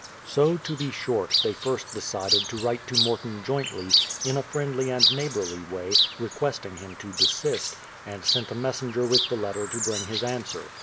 So, to be short, they first decided to write to Morton jointly, in a friendly and neighbourly way, requesting him to desist, and sent a messenger with the letter to bring his answer.